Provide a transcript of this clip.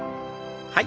はい。